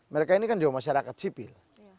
mereka ini kan juga masyarakat sipil